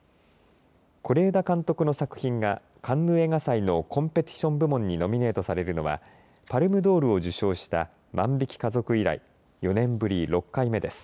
是枝監督の作品がカンヌ映画祭のコンペティション部門にノミネートされるのはパルムドールを受賞した万引き家族以来４年ぶり６回目です。